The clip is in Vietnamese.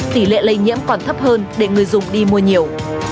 tỷ lệ lây nhiễm còn thấp hơn để người dùng đi mua nhiều